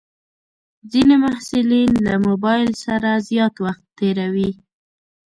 ځینې محصلین له موبایل سره زیات وخت تېروي.